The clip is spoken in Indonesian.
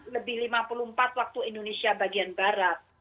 lebih lima puluh empat waktu indonesia bagian barat